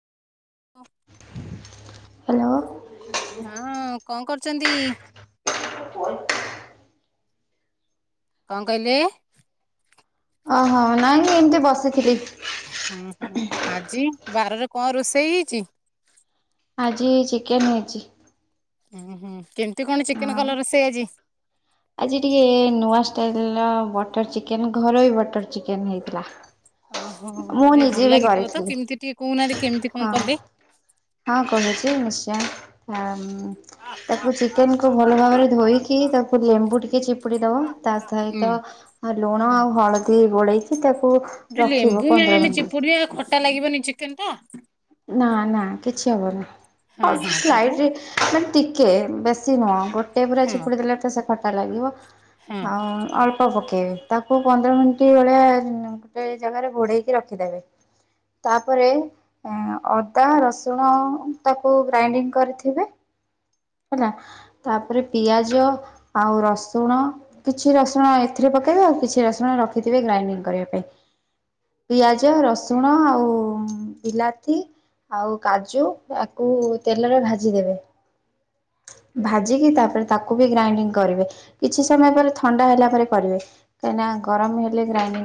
ହ। ହ୍ୟାଲୋ। ହଁ କଣ କରୁଛନ୍ତି? କଣ କହିଲେ? ଓହୋ, ନାଇଁଁ ଏମିତି ବସିଥିଲି। ହୁଁ ହୁଁ ଆଜି ବାରରେ କଣ ରୋଷେଇ ହେଇଛି? ଆଜି ଚିକେନ ହେଇଛି ଉୁଁ ହୁଁ କେମିତି କଣ ଚିକେନ ହଁ। କଲ ରୋଷେଇ ଆଜି? ଆଜି ଟିକେ ନୂଆ ଷ୍ଟାଇଲର ବଟର ଚିକେନ ଘର ବି ବଟର ଚିକେନ ହେଇଥିଲା। ଓହୋ ମୁଁ ତାହେଲେ ନିଜେ ଭଲ ବି ଲାଗିଥିବ ତ କରିଥିଲି କେମିତି ଟିକେ କହୁନାହାନ୍ତି କେମିତି କଣ ହଁ କଲେ? ହଁ କହୁଛି ନିଶ୍ଚୟ ଆଁ ତାକୁ ଚିକେନ କୁ ଭଲ ଭାବରେ ଧୋଇକି ତାକୁ ଲେମ୍ବୁ ଟିକେ ଚିପୁଡି ଦବ ତା ହୁଁ ସହିତ ଆଉ ଲୁଣ ଆଉ ହଳଦୀ ଗୋଳେଇଛି ତାକୁ ଯୋଉ ରଖିବ ଲେମ୍ବୁ ମା ପନ୍ଦର ଆମେ ମିନିଟ୍। ଚିପୁଡି ବା ଖଟା ଲାଗିବନି ଚିକେନଟା। ନା ନା କିଛି ହବନି ହଁ ଅଳ୍ପ ହଁ ତାପରେ ସ୍ଲାଇଟିଲି ମାନେ ଟିକେ କିଛି ନୁହଁ ଗୋଟେ ପୁରା ହଁ ଚିପୁଡି ଦେଲେ ତ ସେ ଖଟା ଲାଗିବ ହଁ ଆଉ ଅଳ୍ପ ପ [inaudible] ତାକୁ ପନ୍ଦର ମିନିଟ ଭଳିଆ ଗୋଟେ ଜାଗାରେ ଘୋଡ଼େଇକି ରଖିଦେବେ। ତାପରେ ଅଦା ରସୁଣ ତାକୁ ଗ୍ରାଇଣ୍ଡିଙ୍ଗ କରିଥିବେ। ହେଲା ତାପରେ ପିଆଜ ଆଉ ରସୁଣ କିଛି ରସୁଣ ଏଥିରେ ପ କେଇବେ ଆଉ କିଛି ରସୁଣ ରଖିଥିବେ ଗ୍ରାଇଣ୍ଡି କରିବା ପାଇଁ ପିଆଜ ରସୁଣ ଆଉ ବିଲାତି ଆଉ କାଜୁ ଆକୁ ତେଲରେ ଭାଜି ଦେବେ [inaudible] ଭାଜିକି ତାପରେ ତାକୁ ବି ଗ୍ରାଇଣ୍ଡିଙ୍ଗ କରିବେ କିଛି ସମୟ ପରେ ଥଣ୍ଡା ହେଲା ପରେ କରିବେ କାହିଁକିନା ଗରମ ହେଲେ ଗ୍ରାଇଣ୍ଡିଙ୍ଗ